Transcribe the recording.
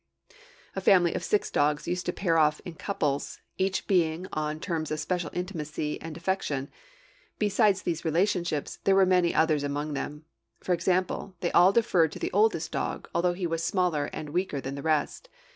A family of six dogs used to pair off in couples, each couple being on terms of special intimacy and affection; and besides these relationships, there were many others among them. For example, they all deferred to the oldest dog, although he was smaller and weaker than the rest.